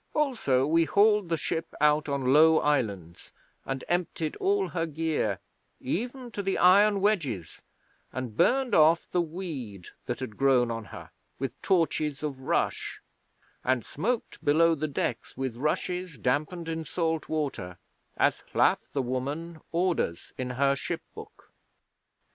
Also we hauled the ship out on low islands and emptied all her gear, even to the iron wedges, and burned off the weed, that had grown on her, with torches of rush, and smoked below the decks with rushes dampened in salt water, as Hlaf the Woman orders in her Ship Book.